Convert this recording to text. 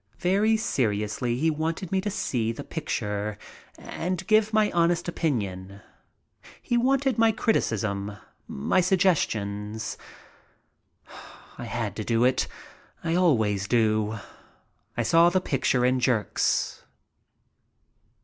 Very seriously he wanted me to see the picture and give my honest opinion. He wanted my criti cism, my suggestions. I had to do it. I always do. I saw the picture in jerks.